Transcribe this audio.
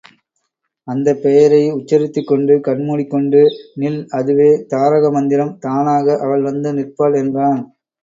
அந்தப் பெயரை உச்சரித்துக் கொண்டு கண்மூடிக் கொண்டு நில் அதுவே தாரகமந்திரம் தானாக அவள் வந்து நிற்பாள் என்றான்.